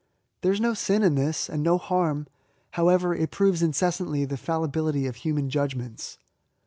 There is no sin in this, and no harm, however it proves incessantly the fallibility of human judgments.